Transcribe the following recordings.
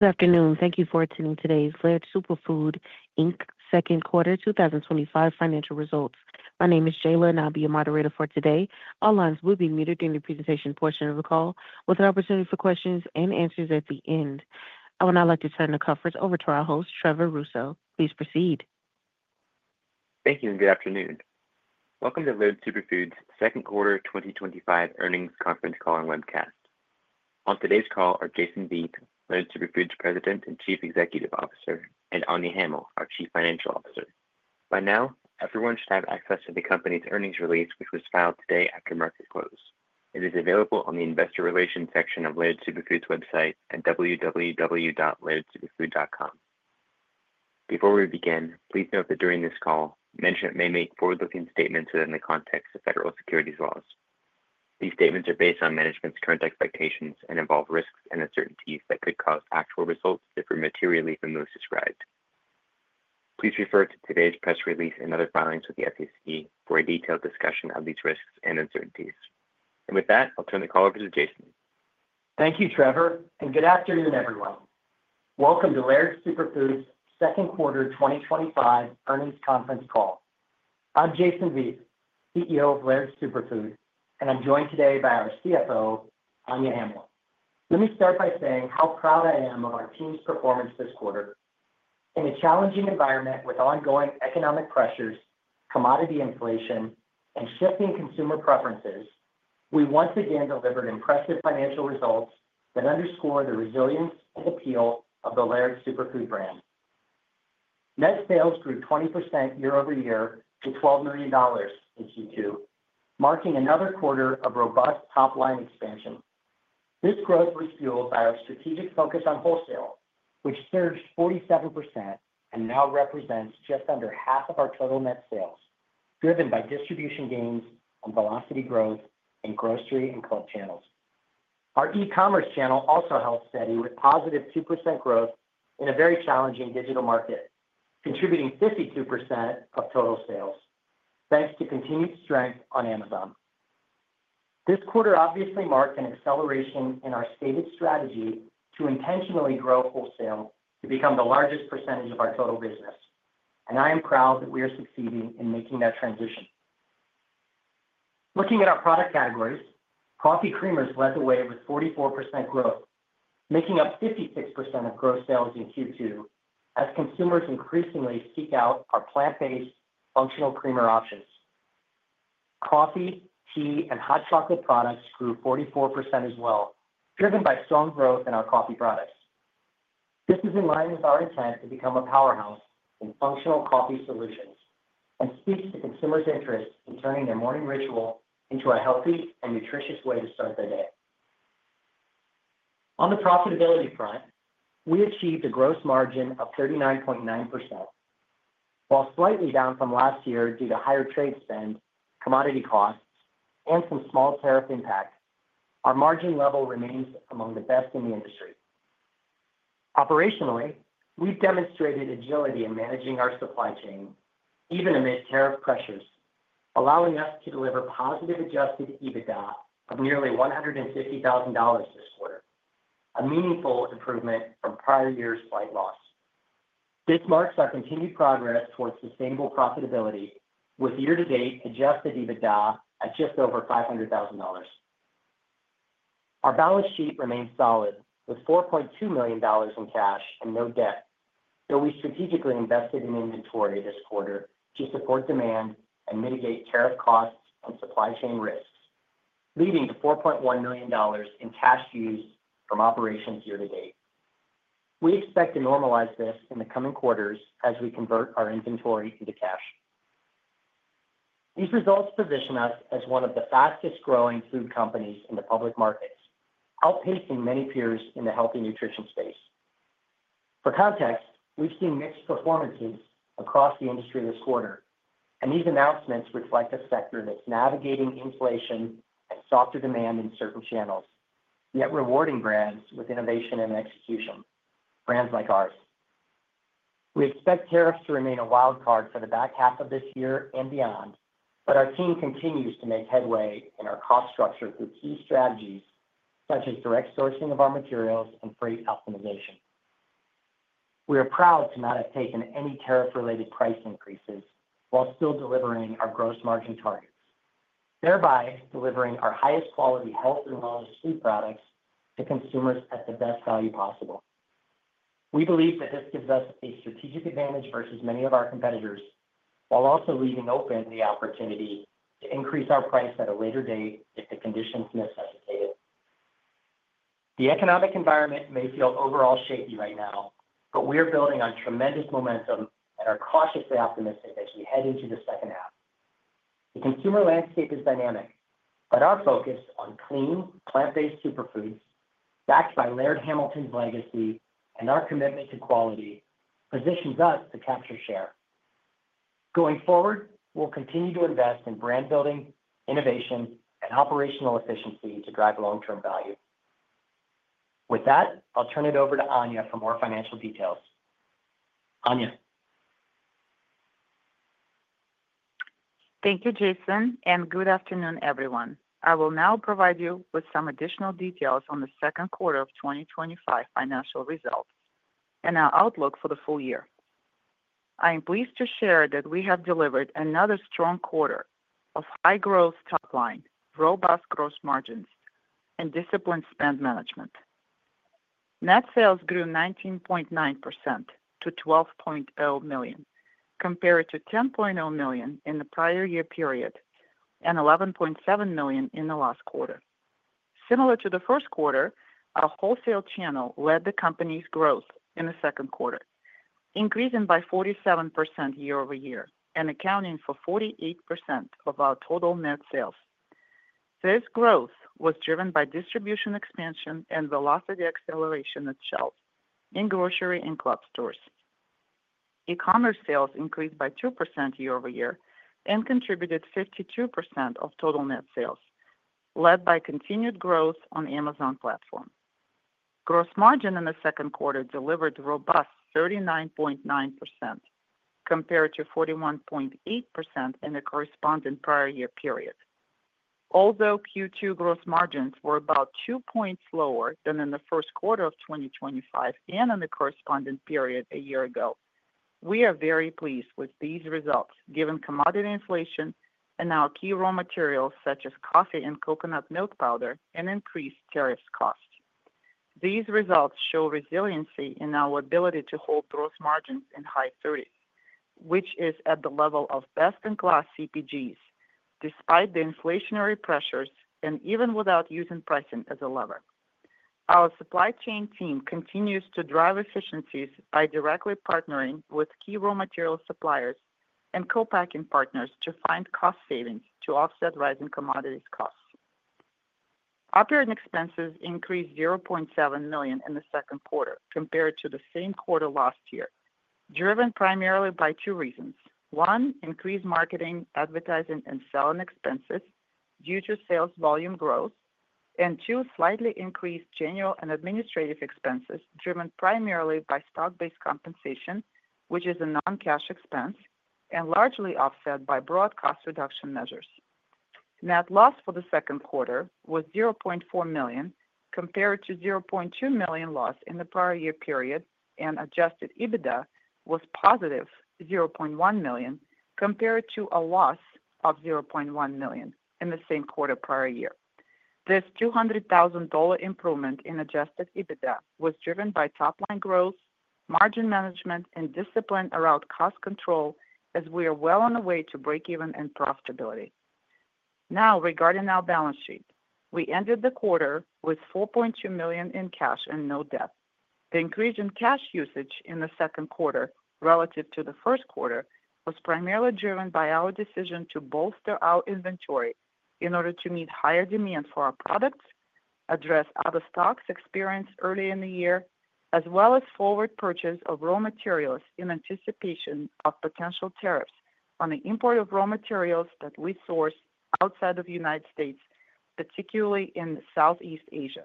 Good afternoon. Thank you for attending today's Laird Superfood, Inc. Second Quarter 2025 Financial Results. My name is Jayla, and I'll be your moderator for today. All lines will be muted during the presentation portion of the call, with an opportunity for questions and answers at the end. I would now like to turn the conference over to our host, Trevor Rousseau. Please proceed. Thank you, and good afternoon. Welcome to Laird Superfood's Second Quarter 2025 Earnings Conference Call and Webcast. On today's call are Jason Vieth, Laird Superfood's President and Chief Executive Officer, and Anya Hamill, our Chief Financial Officer. By now, everyone should have access to the company's earnings release, which was filed today after market close. It is available on the Investor Relations section of Laird Superfood's website at www.lairdsuperfood.com. Before we begin, please note that during this call, management may make forward-looking statements within the context of federal securities laws. These statements are based on management's current expectations and involve risks and uncertainties that could cause actual results to differ materially from those described. Please refer to today's press release and other filings with the SEC for a detailed discussion of these risks and uncertainties. I'll turn the call over to Jason. Thank you, Trevor, and good afternoon, everyone. Welcome to Laird Superfood's Second Quarter 2025 Earnings Conference Call. I'm Jason Vieth, CEO of Laird Superfood, and I'm joined today by our CFO, Anya Hamill. Let me start by saying how proud I am of our team's performance this quarter. In a challenging environment with ongoing economic pressures, commodity inflation, and shifting consumer preferences, we once again delivered impressive financial results that underscore the resilience and appeal of the Laird Superfood brand. Net sales grew 20% year-over-year to $12 million in Q2, marking another quarter of robust top-line expansion. This growth was fueled by our strategic focus on wholesale, which surged 47% and now represents just under half of our total net sales, driven by distribution gains and velocity growth in grocery and cold channels. Our e-commerce channel also helped steady with positive 2% growth in a very challenging digital market, contributing 52% of total sales, thanks to continued strength on Amazon. This quarter obviously marked an acceleration in our stated strategy to intentionally grow wholesale to become the largest percentage of our total business, and I am proud that we are succeeding in making that transition. Looking at our product categories, coffee creamers led the way with 44% growth, making up 56% of gross sales in Q2, as consumers increasingly seek out our plant-based functional creamer options. Coffee, tea, and hot chocolate products grew 44% as well, driven by strong growth in our coffee products. This is in line with our intent to become a powerhouse in functional coffee solutions and speaks to consumers' interests in turning their morning ritual into a healthy and nutritious way to start their day. On the profitability front, we achieved a gross margin of 39.9%. While slightly down from last year due to higher trade spend, commodity costs, and some small tariff impact, our margin level remains among the best in the industry. Operationally, we've demonstrated agility in managing our supply chain, even amidst tariff pressures, allowing us to deliver positive adjusted EBITDA of nearly $150,000 this quarter, a meaningful improvement from prior year's white loss. This marks our continued progress towards sustainable profitability, with year-to-date adjusted EBITDA at just over $500,000. Our balance sheet remains solid, with $4.2 million in cash and no debt, though we strategically invested in inventory this quarter to support demand and mitigate tariff costs and supply chain risks, leading to $4.1 million in cash used from operations year to date. We expect to normalize this in the coming quarters as we convert our inventory into cash. These results position us as one of the fastest growing food companies in the public markets, outpacing many peers in the health and nutrition space. For context, we've seen mixed performances across the industry this quarter, and these announcements reflect a sector that's navigating inflation and softer demand in certain channels, yet rewarding brands with innovation and execution, brands like ours. We expect tariffs to remain a wildcard for the back half of this year and beyond, but our team continues to make headway in our cost structure through key strategies, such as direct sourcing of our materials and freight optimization. We are proud to not have taken any tariff-related price increases while still delivering our gross margin targets, thereby delivering our highest quality health and wellness food products to consumers at the best value possible. We believe that this gives us a strategic advantage versus many of our competitors, while also leaving open the opportunity to increase our price at a later date if the conditions miss us. The economic environment may feel overall shaky right now, but we are building on tremendous momentum and are cautiously optimistic as we head into the second half. The consumer landscape is dynamic, but our focus on clean, plant-based superfoods, backed by Laird Hamilton's legacy and our commitment to quality, positions us to capture share. Going forward, we'll continue to invest in brand building, innovation, and operational efficiency to drive long-term value. With that, I'll turn it over to Anya for more financial details. Anya. Thank you, Jason, and good afternoon, everyone. I will now provide you with some additional details on the second quarter of 2025 financial results and our outlook for the full year. I am pleased to share that we have delivered another strong quarter of high growth top line, robust gross margins, and disciplined spend management. Net sales grew 19.9% to $12.0 million, compared to $10.0 million in the prior year period and $11.7 million in the last quarter. Similar to the first quarter, our wholesale channel led the company's growth in the second quarter, increasing by 47% year-over-year and accounting for 48% of our total net sales. This growth was driven by distribution expansion and velocity acceleration itself in grocery and club stores. E-commerce sales increased by 2% year-over-year and contributed 52% of total net sales, led by continued growth on the Amazon platform. Gross margin in the second quarter delivered a robust 39.9%, compared to 41.8% in the corresponding prior year period. Although Q2 gross margins were about two points lower than in the first quarter of 2025 and in the corresponding period a year ago, we are very pleased with these results given commodity inflation in our key raw materials such as coffee and coconut milk powder and increased tariff costs. These results show resiliency in our ability to hold gross margins in the high 30s percent, which is at the level of best-in-class CPGs despite the inflationary pressures and even without using pricing as a lever. Our supply chain team continues to drive efficiencies by directly partnering with key raw material suppliers and co-packing partners to find cost savings to offset rising commodity costs. Operating expenses increased $0.7 million in the second quarter compared to the same quarter last year, driven primarily by two reasons: one, increased marketing, advertising, and selling expenses due to sales volume growth; and two, slightly increased general and administrative expenses driven primarily by stock-based compensation, which is a non-cash expense, and largely offset by broad cost reduction measures. Net loss for the second quarter was $0.4 million compared to a $0.2 million loss in the prior year period, and adjusted EBITDA was positive $0.1 million compared to a loss of $0.1 million in the same quarter prior year. This $200,000 improvement in adjusted EBITDA was driven by top-line growth, margin management, and discipline around cost control, as we are well on the way to break-even and profitability. Now, regarding our balance sheet, we ended the quarter with $4.2 million in cash and no debt. The increase in cash usage in the second quarter relative to the first quarter was primarily driven by our decision to bolster our inventory in order to meet higher demand for our products, address out of stocks experienced earlier in the year, as well as forward purchase of raw materials in anticipation of potential tariffs on the import of raw materials that we source outside of the United States, particularly in Southeast Asia.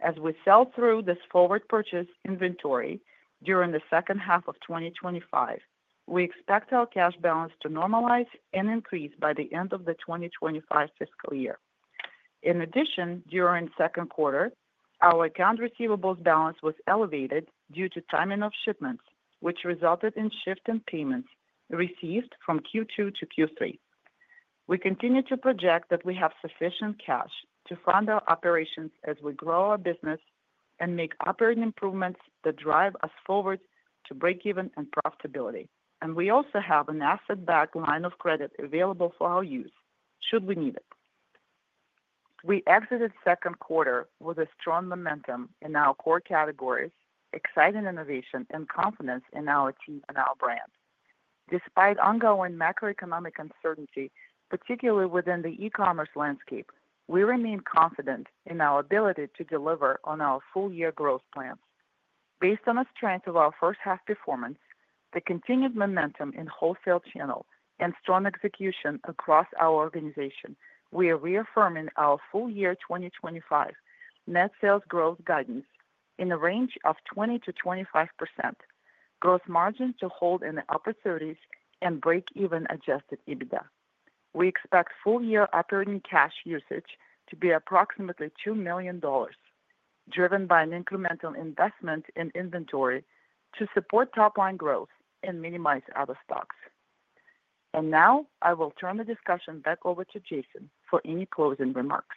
As we sell through this forward purchase inventory during the second half of 2025, we expect our cash balance to normalize and increase by the end of the 2025 fiscal year. In addition, during the second quarter, our accounts receivable balance was elevated due to timing of shipments, which resulted in a shift in payments received from Q2 to Q3. We continue to project that we have sufficient cash to fund our operations as we grow our business and make operating improvements that drive us forward to break-even and profitability. We also have an asset-backed line of credit available for our use should we need it. We exited the second quarter with strong momentum in our core categories, exciting innovation, and confidence in our team and our brand. Despite ongoing macroeconomic uncertainty, particularly within the e-commerce landscape, we remain confident in our ability to deliver on our full-year growth plans. Based on the strength of our first half performance, the continued momentum in the wholesale channel, and strong execution across our organization, we are reaffirming our full-year 2025 net sales growth guidance in the range of 20%-25%, gross margin to hold in the upper 30s percent, and break-even adjusted EBITDA. We expect full-year operating cash usage to be approximately $2 million, driven by an incremental investment in inventory to support top-line growth and minimize out of stocks. I will turn the discussion back over to Jason for any closing remarks.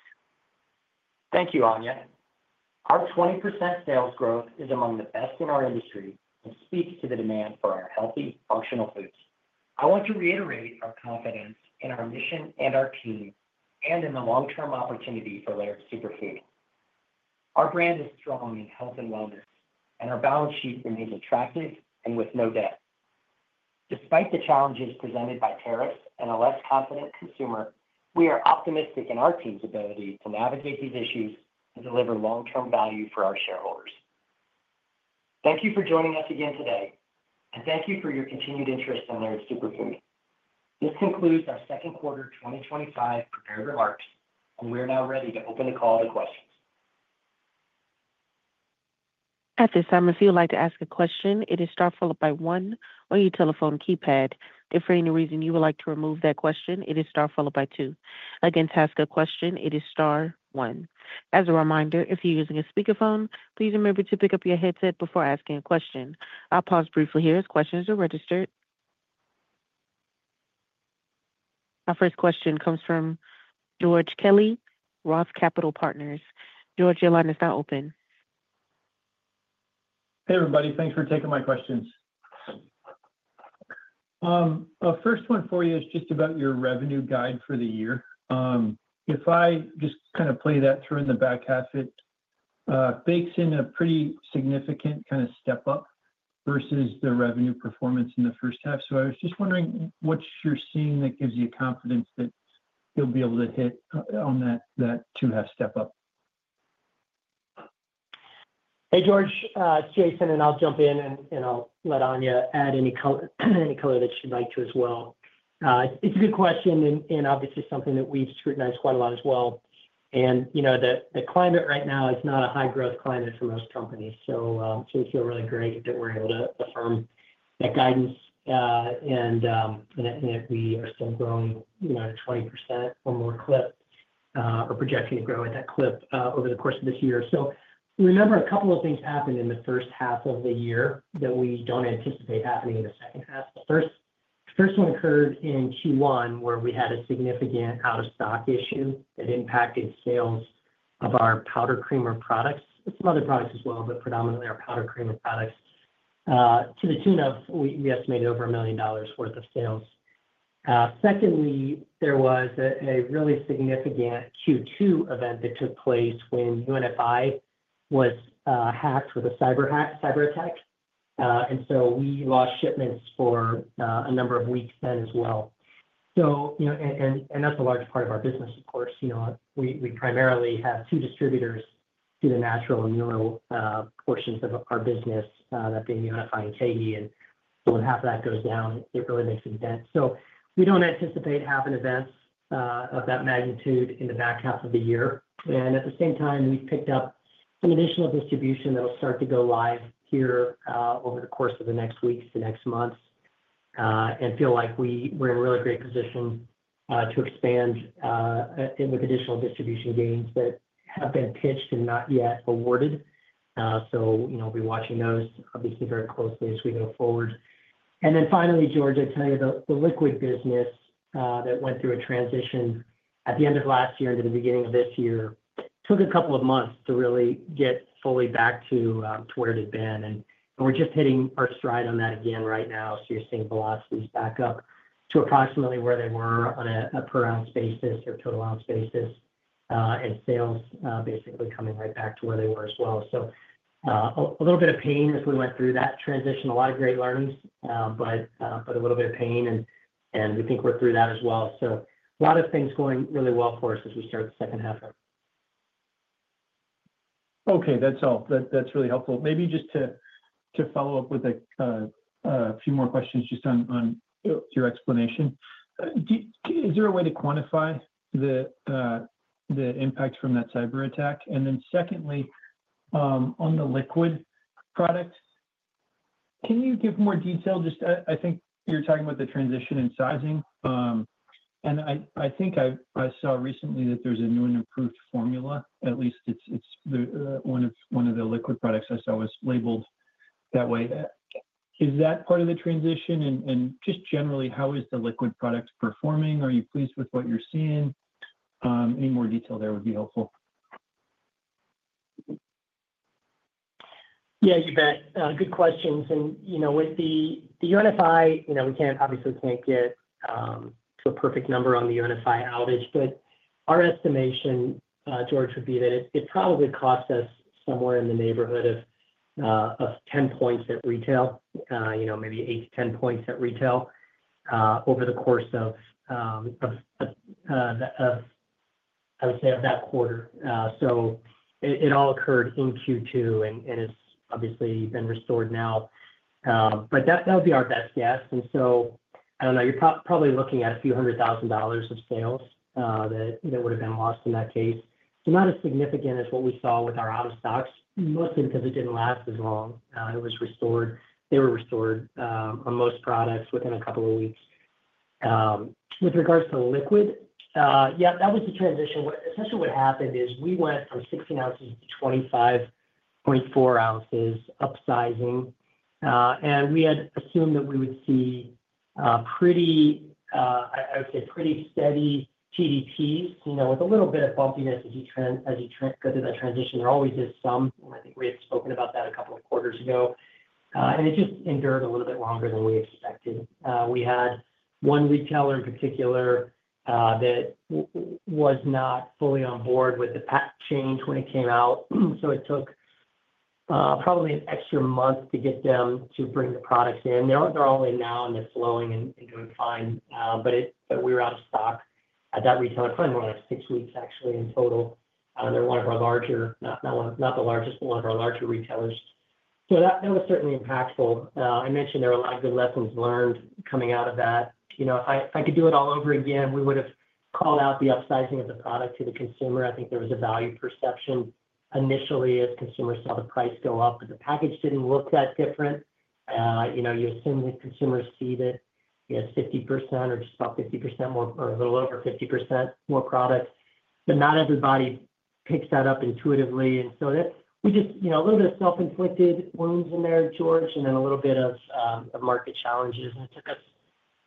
Thank you, Anya. Our 20% sales growth is among the best in our industry and speaks to the demand for our healthy, functional foods. I want to reiterate our confidence in our mission and our team and in the long-term opportunity for Laird Superfood. Our brand is strong in health and wellness, and our balance sheet remains attractive and with no debt. Despite the challenges presented by tariffs and a less confident consumer, we are optimistic in our team's ability to navigate these issues and deliver long-term value for our shareholders. Thank you for joining us again today, and thank you for your continued interest in Laird Superfood. This concludes our second quarter 2025 prepared remarks, and we are now ready to open the call to questions. At this time, if you would like to ask a question, it is star followed by one on your telephone keypad. If for any reason you would like to remove that question, it is star followed by two. Again, to ask a question, it is star one. As a reminder, if you're using a speakerphone, please remember to pick up your headset before asking a question. I'll pause briefly here as questions are registered. Our first question comes from George Kelly, ROTH Capital Partners. George, your line is now open. Hey, everybody. Thanks for taking my questions. My first one for you is just about your revenue guide for the year. If I just kind of play that through in the back half, it bakes in a pretty significant kind of step up versus the revenue performance in the first half. I was just wondering what you're seeing that gives you confidence that you'll be able to hit on that two-half step up. Hey, George. It's Jason, and I'll jump in and let Anya add any color that she'd like to as well. It's a good question and obviously something that we've scrutinized quite a lot as well. You know, the climate right now is not a high-growth climate for most companies, so we feel really great that we're able to affirm that guidance, and that we are still growing at a 20% or more clip, or projected to grow at that clip, over the course of this year. You remember a couple of things happened in the first half of the year that we don't anticipate happening in the second half. The first one occurred in Q1 where we had a significant out-of-stock issue that impacted sales of our powder creamer products, some other products as well, but predominantly our powder creamer products, to the tune of we estimated over $1 million worth of sales. Secondly, there was a really significant Q2 event that took place when UNFI was hacked with a cyberattack, and we lost shipments for a number of weeks then as well. That's a large part of our business, of course. We primarily have two distributors to the natural and unital portions of our business, that being UNFI and KeHE, and when half of that goes down, it really makes an event. We don't anticipate having events of that magnitude in the back half of the year. At the same time, we picked up an additional distribution that'll start to go live here over the course of the next weeks to next months, and feel like we're in a really great position to expand, with additional distribution gains that have been pitched and not yet awarded. We'll be watching those, obviously, very closely as we go forward. Finally, George, I'd tell you the liquid business that went through a transition at the end of last year into the beginning of this year took a couple of months to really get fully back to where it had been. We're just hitting our stride on that again right now. You're seeing velocities back up to approximately where they were on a per ounce basis, or total ounce basis, and sales basically coming right back to where they were as well. A little bit of pain as we went through that transition. A lot of great learnings, but a little bit of pain, and we can work through that as well. A lot of things going really well for us as we start the second half out. Okay. That's all. That's really helpful. Maybe just to follow up with a few more questions on your explanation. Do you, is there a way to quantify the impacts from that cyberattack? Secondly, on the liquid product, can you give more detail? I think you're talking about the transition in sizing. I think I saw recently that there's a new and improved formula. At least it's one of the liquid products I saw was labeled that way. Is that part of the transition? Just generally, how is the liquid product performing? Are you pleased with what you're seeing? In more detail, that would be helpful. Yeah, you bet. Good questions. With the UNFI, we obviously can't get a perfect number on the UNFI outage, but our estimation, George, would be that it probably cost us somewhere in the neighborhood of 10 points at retail, maybe eight to 10 points at retail, over the course of that quarter. It all occurred in Q2, and it's obviously been restored now. That would be our best guess. I don't know. You're probably looking at a few hundred thousand dollars of sales that would have been lost in that case. They're not as significant as what we saw with our out-of-stocks, mostly because it didn't last as long and it was restored. They were restored on most products within a couple of weeks. With regards to the liquid, that was the transition. Essentially, what happened is we went from 16 oz to 25.4 oz upsizing, and we had assumed that we would see pretty steady GDP, with a little bit of bumpiness as you go through that transition. It always gives some. I think we had spoken about that a couple of quarters ago, and it just endured a little bit longer than we expected. We had one retailer in particular that was not fully on board with the pack change when it came out. It took probably an extra month to get them to bring the products in. They're all in now, and they're flowing and doing fine, but we were out of stock at that retailer, probably more like six weeks, actually, in total. They're one of our larger, not the largest, but one of our larger retailers. That was certainly impactful. I mentioned there were a lot of good lessons learned coming out of that. If I could do it all over again, we would have called out the upsizing of the product to the consumer. I think there was a value perception initially as consumers saw the price go up, but the package didn't look that different. You assume that consumers see that you had 50% or just about 50% more or a little over 50% more product, but not everybody picks that up intuitively. That was just a little bit of self-inflicted wounds in there, George, and then a little bit of market challenges. It took us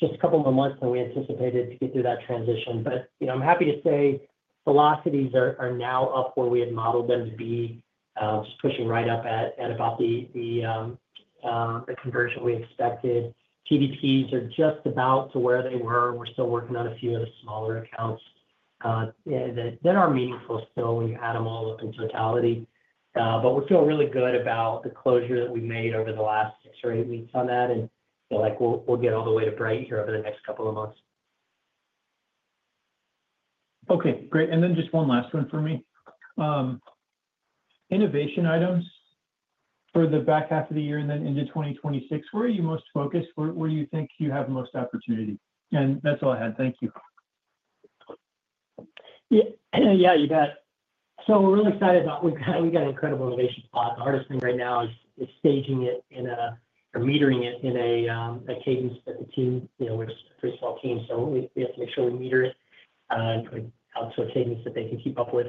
just a couple more months than we anticipated to get through that transition. I'm happy to say velocities are now up where we had modeled them to be, just pushing right up at about the conversion we expected. GDPs are just about to where they were. We're still working on a few of the smaller accounts that are meaningful still when you add them all up in totality, but we're feeling really good about the closure that we made over the last six or eight weeks on that. You know, we'll get all the way to bright here over the next couple of months. Okay. Great. Just one last one from me. Innovation items for the back half of the year and then into 2026, where are you most focused? Where do you think you have the most opportunity? That's all I had. Thank you. Yeah, you bet. We're really excited about we've got an incredible innovation spot. The hardest thing right now is staging it and metering it in a cadence that the team, you know, we have three small teams, so we have to make sure we meter it and try to outsource cadence that they can keep up with.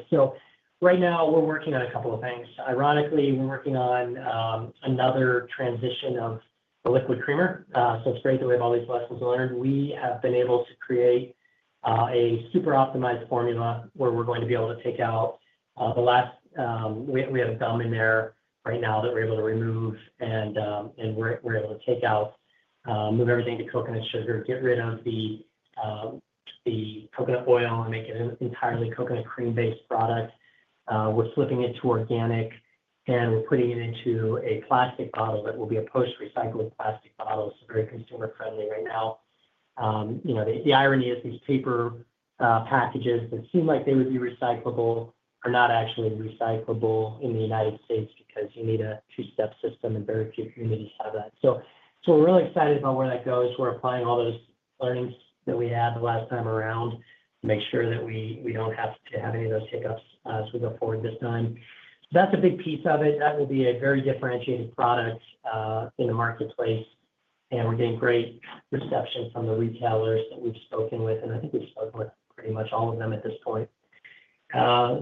Right now, we're working on a couple of things. Ironically, we're working on another transition of the liquid creamer. It's great that we have all these levels learned. We have been able to create a super optimized formula where we're going to be able to take out the last, we have a gum in there right now that we're able to remove, and we're able to take out, move everything to coconut sugar, get rid of the coconut oil and make it an entirely coconut cream-based product. We're flipping it to organic, and we're putting it into a plastic bottle that will be a post-recycled plastic bottle. Very consumer-friendly right now. The irony is these paper packages that seem like they would be recyclable are not actually recyclable in the United States because you need a two-step system and very few immunities to that. We're really excited about where that goes. We're applying all those learnings that we had the last time around to make sure that we don't have to have any of those hiccups as we go forward this time. That's a big piece of it. That will be a very differentiated product in the marketplace. We're getting great reception from the retailers that we've spoken with. I think we've spoken with pretty much all of them at this point.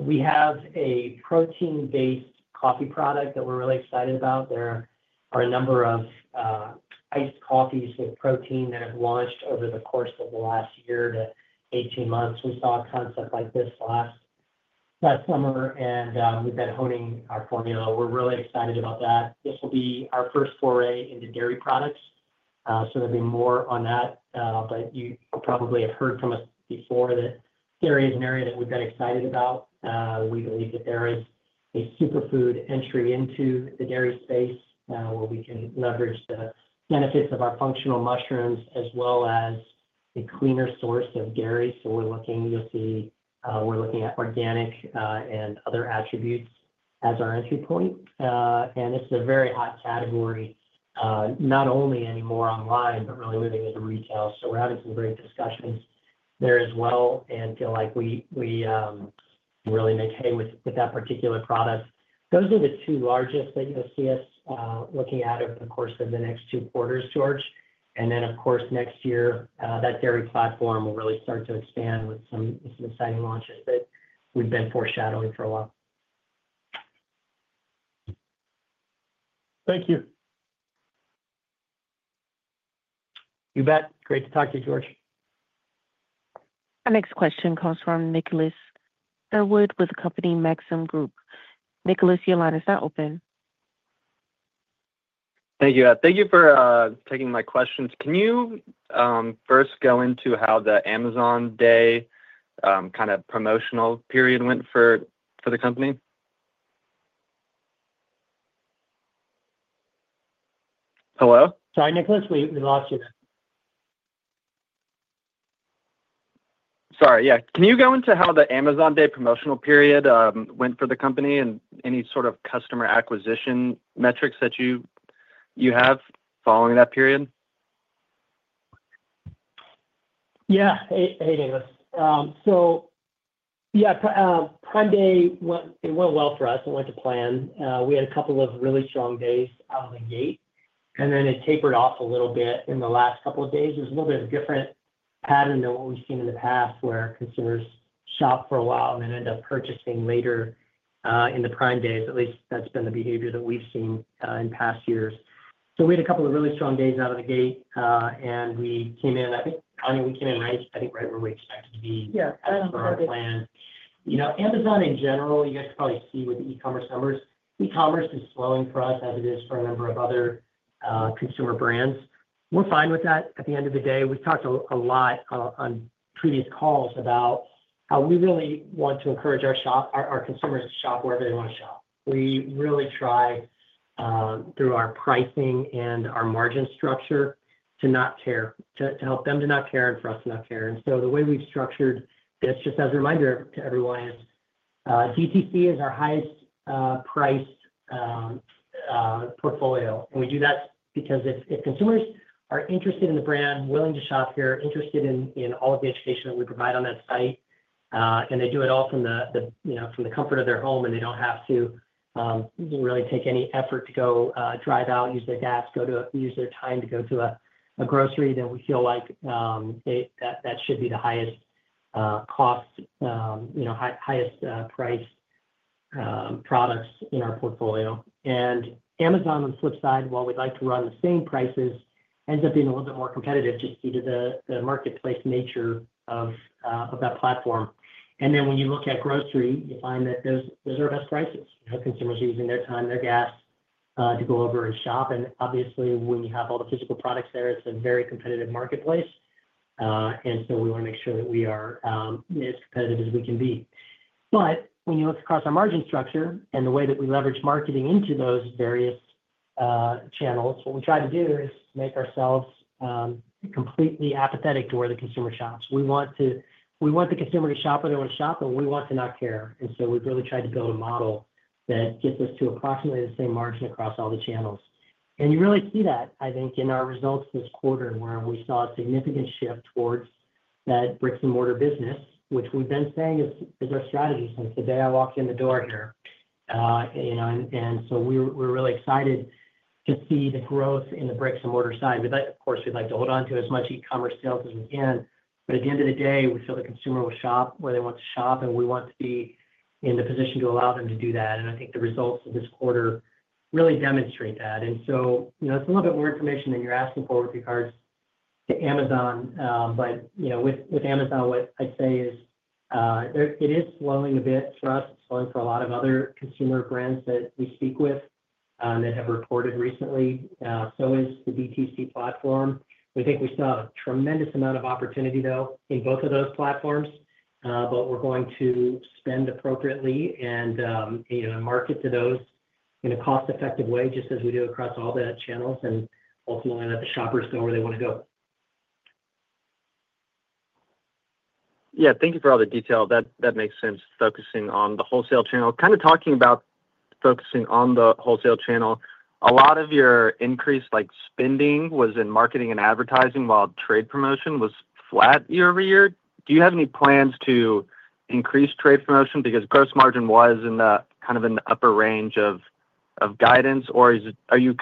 We have a protein-based coffee product that we're really excited about. There are a number of iced coffees with protein that have launched over the course of the last year, the 18 months. We saw a concept like this last summer, and we've been honing our formula. We're really excited about that. This will be our first foray into dairy products. There'll be more on that. You probably have heard from us before that dairy is an area that we've been excited about. We believe that there is a superfood entry into the dairy space, where we can leverage the benefits of our functional mushrooms as well as a cleaner source of dairy. We're looking, you'll see, we're looking at organic and other attributes as our entry point. It's a very hot category, not only anymore online, but really moving into retail. We're having some great discussions there as well and feel like we really make hay with that particular product. Those are the two largest things to see us looking at over the course of the next two quarters, George. Of course, next year, that dairy platform will really start to expand with some exciting launches that we've been foreshadowing for a while. Thank you. You bet. Great to talk to you, George. Our next question comes from Nicholas Sherwood with company Maxim Group. Nicholas, your line is now open. Thank you. Thank you for taking my questions. Can you first go into how the Amazon Day kind of promotional period went for the company? Hello? Sorry, Nicholas. We lost you there. Sorry. Yeah. Can you go into how the Amazon Day promotional period went for the company, and any sort of customer acquisition metrics that you have following that period? Yeah. Hey, Nicholas. Yeah, Prime Day went well for us. It went to plan. We had a couple of really strong days out of the gate, and then it tapered off a little bit in the last couple of days. It was a little bit of a different pattern than what we've seen in the past where consumers shop for a while and then end up purchasing later in the Prime days. At least that's been the behavior that we've seen in past years. We had a couple of really strong days out of the gate, and we came in, I think, Anya, we came in right, I think, right where we expected to be. Yeah, I don't know. Before the plan. You know, Amazon in general, you guys probably see with the e-commerce numbers, e-commerce is slowing for us as it is for a number of other consumer brands. We're fine with that. At the end of the day, we've talked a lot on previous calls about how we really want to encourage our consumers to shop wherever they want to shop. We really try, through our pricing and our margin structure, to not care, to help them to not care and for us to not care. The way we've structured this, just as a reminder to everyone, is DTC is our highest-priced portfolio. We do that because if consumers are interested in the brand, willing to shop here, interested in all of the education that we provide on that site, and they do it all from the comfort of their home and they don't have to really take any effort to go, drive out, use their gas, use their time to go to a grocery, then we feel like that should be the highest-cost, highest-priced products in our portfolio. Amazon, on the flip side, while we'd like to run the same prices, ends up being a little bit more competitive just due to the marketplace nature of that platform. When you look at grocery, you find that those are the best prices, how consumers are using their time, their gas, to go over and shop. Obviously, when you have all the physical products there, it's a very competitive marketplace, and we want to make sure that we are as competitive as we can be. When you look across our margin structure and the way that we leverage marketing into those various channels, what we try to do is make ourselves completely apathetic to where the consumer shops. We want the consumer to shop where they want to shop, and we want to not care. We've really tried to build a model that gets us to approximately the same margin across all the channels. You really see that, I think, in our results this quarter and where we saw a significant shift towards that bricks-and-mortar business, which we've been saying is our strategy since the day I walked in the door here. We're really excited to see the growth in the bricks-and-mortar side. Of course, we'd like to hold on to as much e-commerce sales as we can. At the end of the day, we feel the consumer will shop where they want to shop, and we want to be in the position to allow them to do that. I think the results of this quarter really demonstrate that. You know, it's a little bit more information than you're asking for with regards to Amazon, but, you know, with Amazon, what I'd say is, it is slowing a bit for us, slowing for a lot of other consumer brands that we speak with that have reported recently. So is the DTC platform. We think we still have a tremendous amount of opportunity, though, in both of those platforms. We're going to spend appropriately and, you know, market to those in a cost-effective way, just as we do across all the channels, and ultimately let the shoppers go where they want to go. Thank you for all the detail. That makes sense, focusing on the wholesale channel. Kind of talking about focusing on the wholesale channel, a lot of your increased spending was in marketing and advertising while trade promotion was flat year-over-year. Do you have any plans to increase trade promotion? Because gross margin was in the upper range of guidance, or are you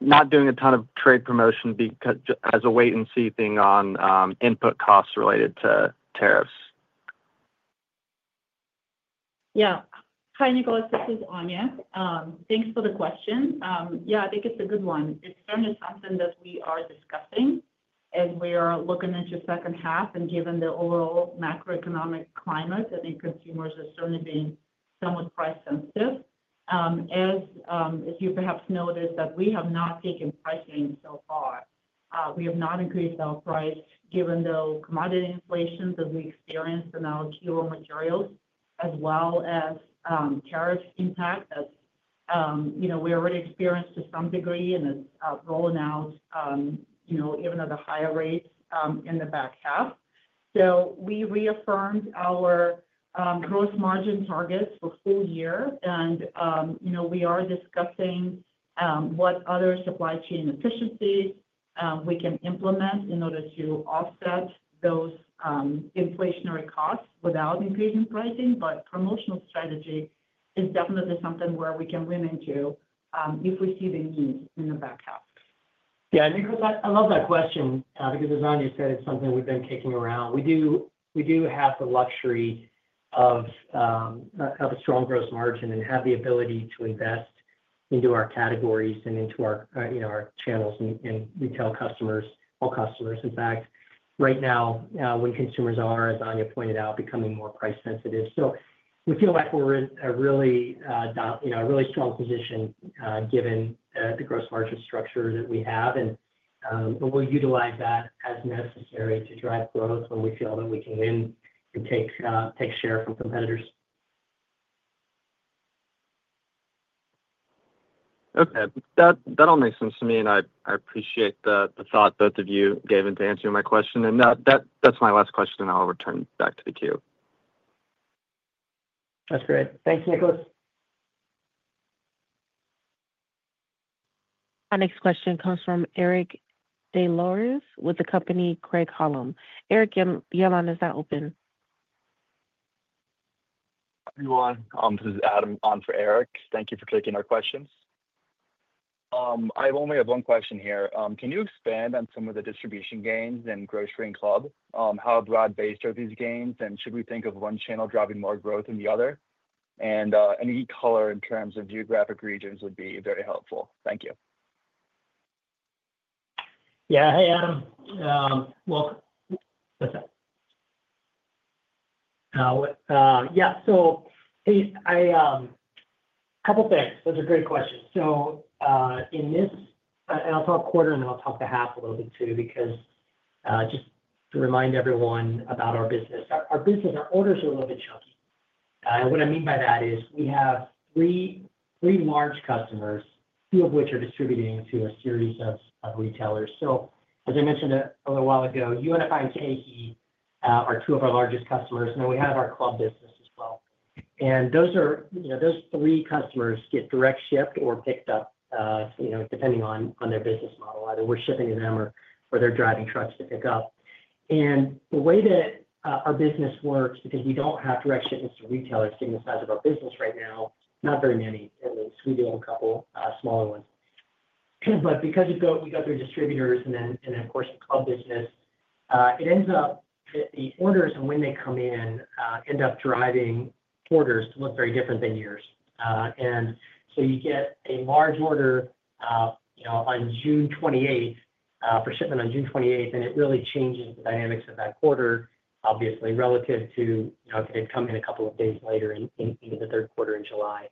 not doing a ton of trade promotion as a wait-and-see thing on input costs related to tariffs? Yeah. Hi, Nicholas. This is Anya. Thanks for the question. Yeah, I think it's a good one. It's certainly something that we are discussing, and we are looking into the second half, and given the overall macroeconomic climate, I think consumers are certainly being somewhat price sensitive. As you perhaps noticed, we have not taken pricing so far. We have not increased our price given the commodity inflation that we experienced in our key raw materials, as well as tariffs impact that, you know, we already experienced to some degree in the rolling out, you know, even at the higher rates, in the back half. We reaffirmed our gross margin targets for full year, and we are discussing what other supply chain efficiencies we can implement in order to offset those inflationary costs without increasing pricing. Promotional strategy is definitely something where we can lean into if we see the need in the back half. Yeah. Nicholas, I love that question. How to design, you said, is something we've been kicking around. We do have the luxury of a strong gross margin and have the ability to invest into our categories and into our channels and retail customers, all customers, in fact, right now, when consumers are, as Anya pointed out, becoming more price sensitive. We feel like we're in a really strong position, given the gross margin structure that we have, and we'll utilize that as necessary to drive growth when we feel that we can win and take share from competitors. Okay. That all makes sense to me, and I appreciate the thought both of you gave into answering my question. That's my last question, and I'll return back to the queue. That's great. Thanks, Nicholas. Our next question comes from Eric Des Lauriers with the company Craig-Hallum. Eric, your line is now open. This is Adam on for Eric. Thank you for taking our questions. I only have one question here. Can you expand on some of the distribution gains in grocery and club? How broad-based are these gains, and should we think of one channel driving more growth than the other? Any color in terms of geographic regions would be very helpful. Thank you. Yeah. Hey, Adam. Welcome. Okay. What, yeah. So, hey, I, a couple of things. Those are great questions. In this, I'll talk quarter and then I'll talk the half a little bit too because, just to remind everyone about our business. Our business, our orders are a little bit chunky. What I mean by that is we have three large customers, a few of which are distributing to a series of retailers. As I mentioned a little while ago, UNFI and KeHE are two of our largest customers, and then we have our club business as well. Those three customers get direct shipped or picked up, depending on their business model. Either we're shipping to them or they're driving trucks to pick up. The way that our business works, because we don't have direct shipments to retailers given the size of our business right now, not very many. At least, we do have a couple smaller ones. Because we go through distributors and then, of course, the club business, the orders and when they come in end up driving quarters that look very different than years. You get a large order on June 28th, for shipment on June 28th, and it really changes the dynamics of that quarter, obviously, relative to if they come in a couple of days later in the third quarter in July.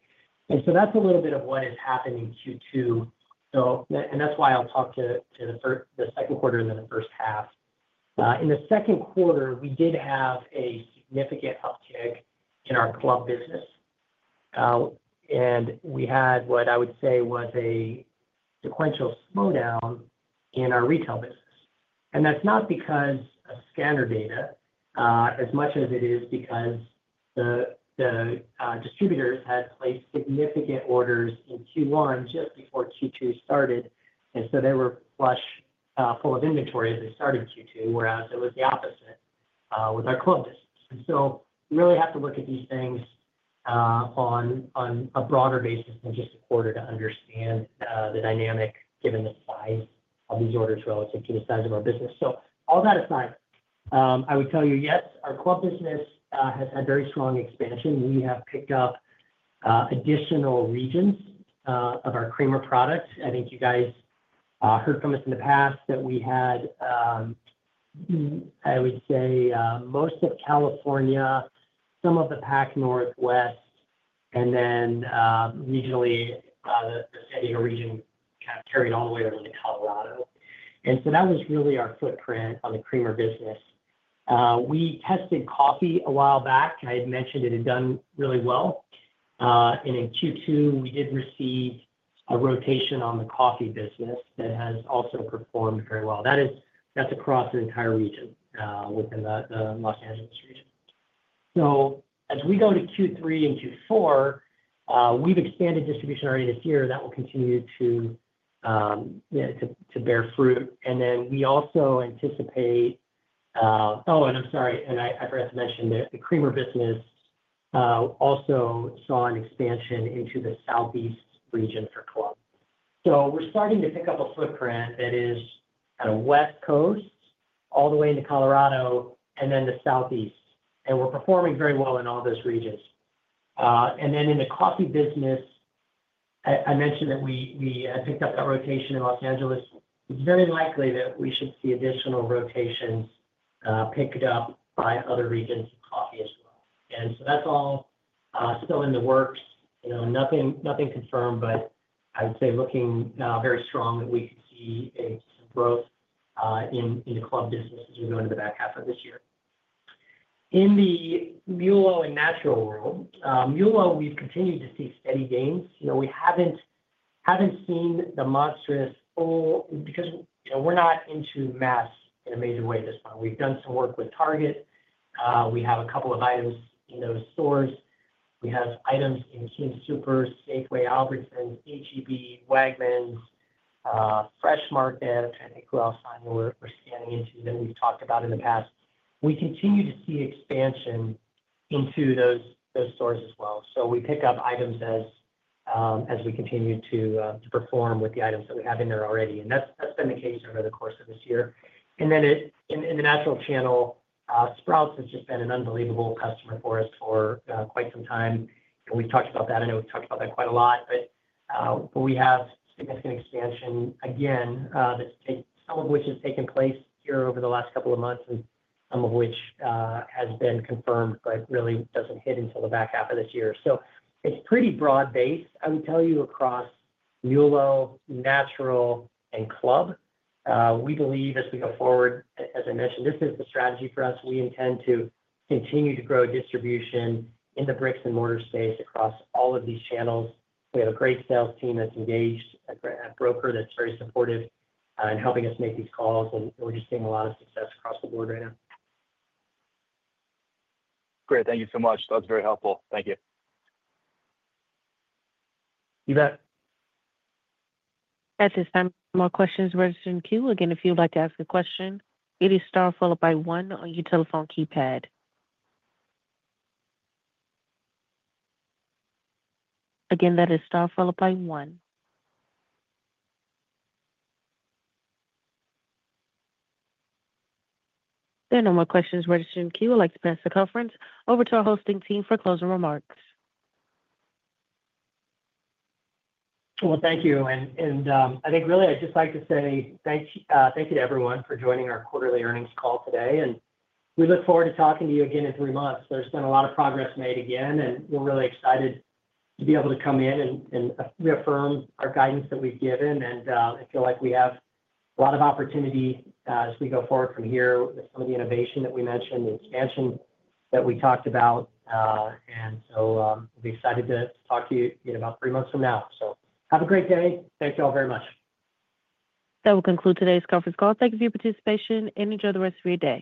That's a little bit of what has happened in Q2. That's why I'll talk to the second quarter and then the first half. In the second quarter, we did have a significant uptick in our club business. We had what I would say was a sequential slowdown in our retail business. That's not because of scanner data, as much as it is because the distributor had placed significant orders in Q1 just before Q2 started. They were flush, full of inventory as they started Q2, whereas it was the opposite with our club business. We really have to look at these things on a broader basis than just a quarter to understand the dynamic given the size of these orders relative to the size of our business. All that aside, I would tell you, yes, our club business has had very strong expansion. We have picked up additional regions of our creamer products. I think you guys heard from us in the past that we had, I would say, most of California, some of the Pac Northwest, and then, regionally, the San Diego region kind of carried all the way over to Colorado. That was really our footprint on the creamer business. We tested coffee a while back. I had mentioned it had done really well. In Q2, we did receive a rotation on the coffee business that has also performed very well. That is across an entire region, within the Los Angeles region. As we go to Q3 and Q4, we've expanded distribution already this year. That will continue to bear fruit. I forgot to mention that the creamer business also saw an expansion into the Southeast region for club. We're starting to pick up a footprint that is kind of West Coast all the way into Colorado and then the Southeast. We're performing very well in all those regions. In the coffee business, I mentioned that we had picked up that rotation in Los Angeles. It's very likely that we should see additional rotations picked up by other regions of coffee as well. That's all still in the works. Nothing confirmed, but I'd say looking very strong that we could see a growth in the club business as we go into the back half of this year. In the mule oil and natural world, mule oil, we've continued to see steady gains. We haven't seen the monstrous full because we're not into mass in a major way at this point. We've done some work with Target. We have a couple of items in those stores. We have items in Team Super, Safeway, Albertsons, H‑E‑B, Wegmans, Freshmart, and think we’re fine. We're scanning into that we've talked about in the past. We continue to see expansion into those stores as well. We pick up items as we continue to perform with the items that we have in there already. That's been the case over the course of this year. In the natural channel, Sprouts has just been an unbelievable customer for us for quite some time. We've talked about that. I know we've talked about that quite a lot. We have significant expansion again, some of which has taken place here over the last couple of months, and some of which has been confirmed, but really doesn't hit until the back half of this year. It's pretty broad-based, I would tell you, across mule, natural, and club. We believe as we go forward, as I mentioned, this is the strategy for us. We intend to continue to grow distribution in the bricks-and-mortar space across all of these channels. We have a great sales team that's engaged, a broker that's very supportive, helping us make these calls, and we're just seeing a lot of success across the board right now. Great. Thank you so much. That was very helpful. Thank you. You bet. At this time, more questions were in queue. Again, if you would like to ask a question, it is star followed by one on your telephone keypad. Again, that is star followed by one. There are no more questions registered in queue. I'd like to pass the conference over to our hosting team for closing remarks. Thank you. I think really, I'd just like to say thank you to everyone for joining our quarterly earnings call today. We look forward to talking to you again in three months. There's been a lot of progress made again, and we're really excited to be able to come in and reaffirm our guidance that we've given. I feel like we have a lot of opportunity as we go forward from here, some of the innovation that we mentioned, the expansion that we talked about, and we'll be excited to talk to you in about three months from now. Have a great day. Thank you all very much. That will conclude today's conference call. Thank you for your participation and enjoy the rest of your day.